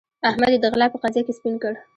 احمد يې د غلا په قضيه کې سپين کړ.